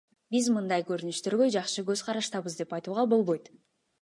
Биз мындай көрүнүштөргө жакшы көз караштабыз деп айтууга болбойт.